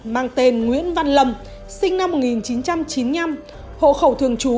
mang tên nguyễn văn lâm sinh năm một nghìn chín trăm chín mươi năm hộ khẩu thường trú